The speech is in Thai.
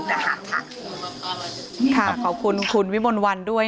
อยากให้สังคมรับรู้ด้วย